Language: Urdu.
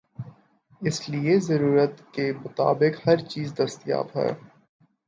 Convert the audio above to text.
اس لئے کہ ضرورت کے مطابق ہرچیز دستیاب ہے۔